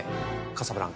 カサブランカ。